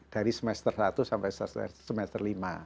dari semester satu sampai semester lima